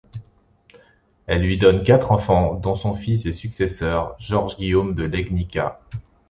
Elle lui donne quatre enfants dont son fils et successeur Georges Guillaume de Legnica.